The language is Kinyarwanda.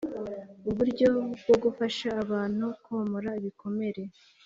uburyo bwo gufasha abantu komora ibikomere